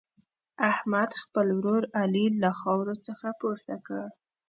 احمد، خپل ورور علي له خاورو څخه پورته کړ.